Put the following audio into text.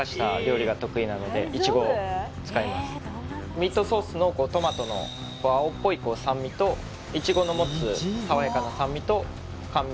ミートソースのトマトの青っぽい酸味といちごの持つさわやかな酸味と甘味